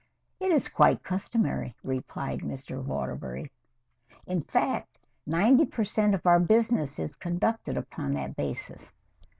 "It is quite customary," replied Mr. Waterbury. "In fact, ninety per cent of our business is conducted upon that basis."